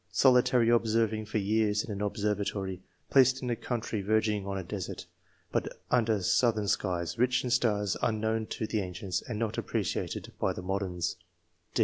Solitary observing for years in an observatory, placed in a country verging on a desert, but under southern skies, rich in stars unknown to the ancients and not appreciated by the modems."